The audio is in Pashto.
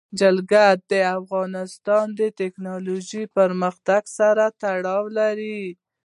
جلګه د افغانستان د تکنالوژۍ پرمختګ سره تړاو لري.